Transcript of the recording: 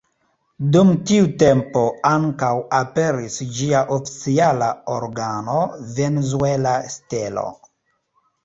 Dum tiu tempo ankaŭ aperis ĝia oficiala organo "Venezuela Stelo".